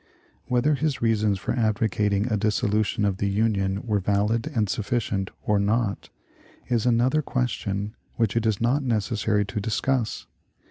Whether his reasons for advocating a dissolution of the Union were valid and sufficient, or not, is another question which it is not necessary to discuss.